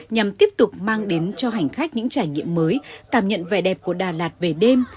nhằm tiếp tục mang đến cho hành khách những trải nghiệm mới cảm nhận vẻ đẹp của đà lạt về đêm